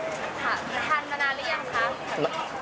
ค่ะทานมานานหรือยังคะ